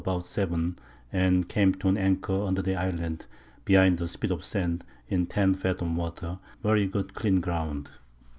about 7, and came to an Anchor under the Island, behind the Spit of Sand, in 10 Fathom Water, very good clean Ground.